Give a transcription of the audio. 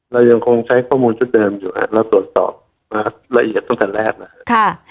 เรายังคงใช้ข้อมูลติดเติมเราตรวจสอบละเอียดตั้งแต่แรก